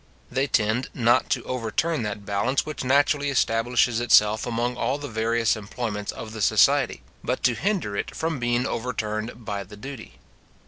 They tend not to overturn that balance which naturally establishes itself among all the various employments of the society, but to hinder it from being overturned by the duty.